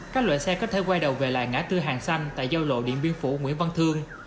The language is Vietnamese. các loại xe có thể quay đầu về lại ngã tư hàng xanh tại giao lộ điện biên phủ nguyễn văn thương